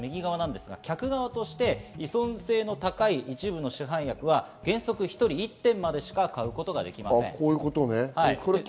客側として依存性の高い一部の市販薬は原則１人１点までしか買うことができません。